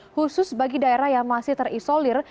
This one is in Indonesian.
khusus bagi daerah yang masih terisolir